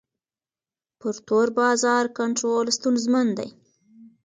پر تور بازار کنټرول ستونزمن دی.